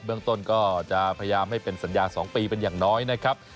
เมืองต้นก็จะพยายามให้เป็นสัญญา๒ปีเป็นอย่างน้อยนะครับ